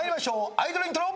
アイドルイントロ。